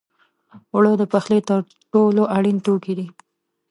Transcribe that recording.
اوړه د پخلي تر ټولو اړین توکي دي